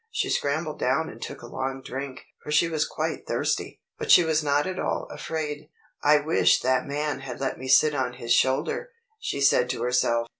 She scrambled down and took a long drink, for she was quite thirsty. But she was not at all afraid. "I wish that man had let me sit on his shoulder," she said to herself.